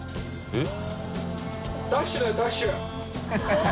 えっ！